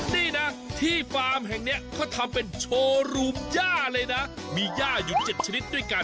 นี่นะที่ฟาร์มแห่งนี้เขาทำเป็นโชว์รูมย่าเลยนะมีย่าอยู่๗ชนิดด้วยกัน